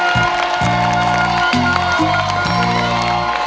รักทูลหัวตลอดชาตินี้